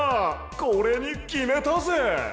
これにきめたぜ！